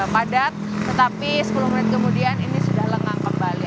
padat tetapi sepuluh menit kemudian ini sudah lengang kembali